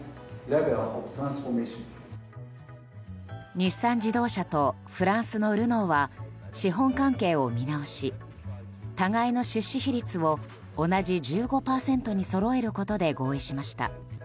日産自動車とフランスのルノーは資本関係を見直し互いの出資比率を同じ１５％にそろえることで合意しました。